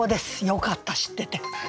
よかった知ってて。